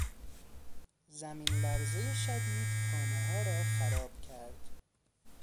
زمین لرزهٔ شدید خانه ها را خراب کرد.